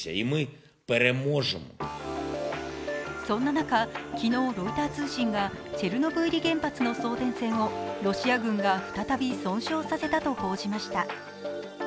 そんな中、昨日ロイター通信がチェルノブイリ原発の送電線をロシア軍が再び損傷させたと報じました。